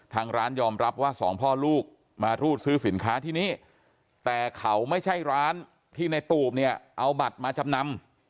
ทางร้านยอมรับว่าสองพ่อลูกมารูดซื้อสินค้าที่นี่แต่เขาไม่ใช่ร้านที่ในตูบเนี่ยเอาบัตรมาจำนำ